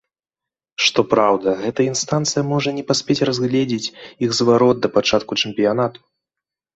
Што праўда, гэтая інстанцыя можа не паспець разгледзець іх зварот да пачатку чэмпіянату.